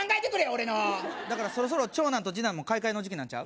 俺のだからそろそろ長男と次男も買い替えの時期なんちゃう？